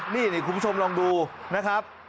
นี่คุณผู้ชมลองดูนะครับ